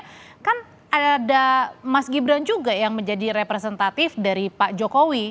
karena kan ada mas gibran juga yang menjadi representatif dari pak jokowi